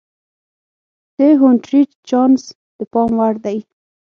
د هونټریج چانس د پام وړ دی.